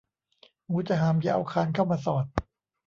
หมูจะหามอย่าเอาคานเข้ามาสอด